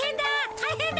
たいへんだ。